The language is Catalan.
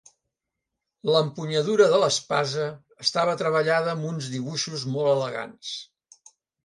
L'empunyadura de l'espasa estava treballada amb uns dibuixos molt elegants.